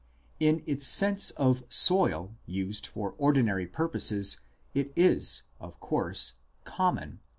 In its sense of " soil " used for ordinary purposes it is, of course, common.